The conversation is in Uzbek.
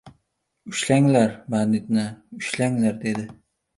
— Ushlanglar, banditni ushlanglar! — dedi.